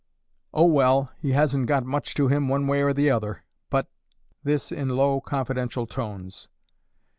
"Oh, well, he hasn't got much to him one way or the other, but " this in low, confidential tones.